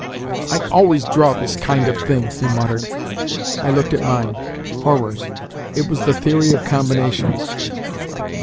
"I always draw this kind of thing," he muttered. I looked at mine. Horrors! It was the Theory of Combinations!